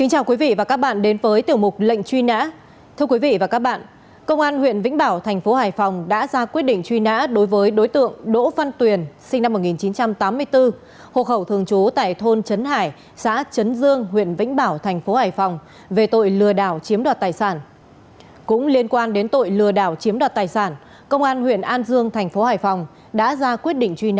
hãy đăng ký kênh để ủng hộ kênh của chúng mình nhé